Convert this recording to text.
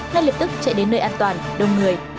nó liệt tức chạy đến nơi an toàn đông người